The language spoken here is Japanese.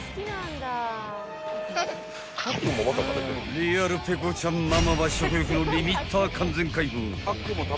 ［リアルペコちゃんママは食欲のリミッター完全解放］